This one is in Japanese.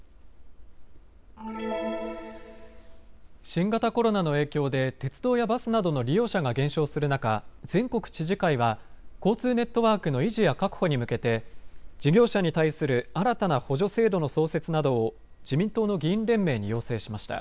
新型コロナの影響で鉄道やバスなどの利用者が減少する中、全国知事会は交通ネットワークの維持や確保に向けて事業者に対する新たな補助制度の創設などを自民党の議員連盟に要請しました。